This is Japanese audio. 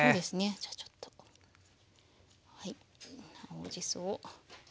じゃあちょっとはい青じそを。